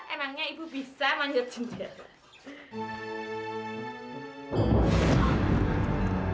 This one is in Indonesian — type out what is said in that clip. emangnya ibu bisa manjat jendela